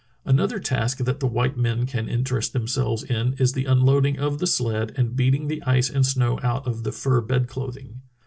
Another task that the white men can interest themselves in is the un loading of the sled and beating the ice and snow out of the fur bedclothing.